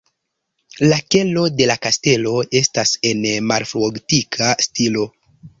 La kelo de la kastelo estas en malfrugotika stilo.